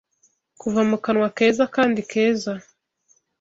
Kuva mu kanwa keza kandi keza